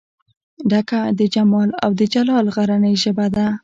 ډکه د جمال او دجلال غرنۍ ژبه ده